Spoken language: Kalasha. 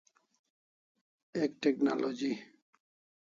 Ek technology